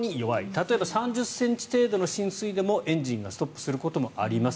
例えば３０ｃｍ程度の浸水でもエンジンがストップすることもあります。